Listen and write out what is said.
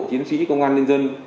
chiến sĩ công an nhân dân